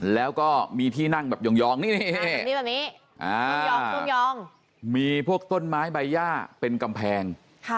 แล้วก็มีที่นั่งแบบยองนี่แบบนี้พวกต้นไม้ใบย่าเป็นกำแพง